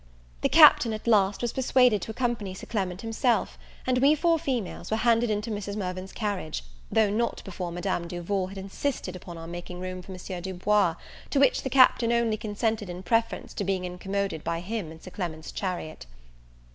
The Captain, at last, was persuaded to accompany Sir Clement himself, and we four females were handed into Mrs. Mirvan's carriage, though not before Madame Duval had insisted upon our making room for Monsieur Du Bois, to which the Captain only consented in preference to being incommoded by him in Sir Clement's chariot.